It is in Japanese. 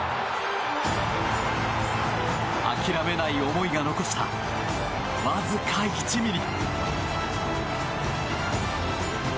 諦めない思いが残したわずか１ｍｍ。